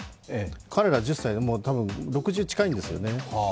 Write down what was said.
彼ら１０歳で、たぶん６０近いんですよね。